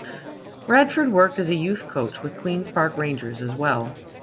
Radford worked as a youth coach with Queens Park Rangers as well.